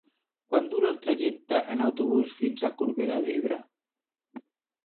Quant dura el trajecte en autobús fins a Corbera d'Ebre?